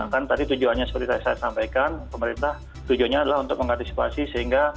kan tadi tujuannya seperti saya sampaikan pemerintah tujuannya adalah untuk mengantisipasi sehingga